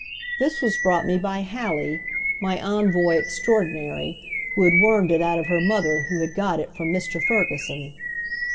This was brought me by Hallie, my envoy extraordinary, who had wormed it out of her mother who had got it from Mr. Ferguson.